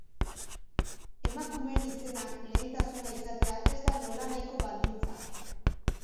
Emakumeen izenak lehentasuna izatea ez da nolanahiko baldintza.